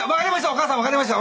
お母さんわかりました！